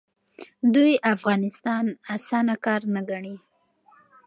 دوی افغانستان اسانه کار نه ګڼي.